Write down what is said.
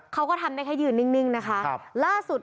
เขาก็ทำได้แค่ยืนนิ่งนะคะครับล่าสุด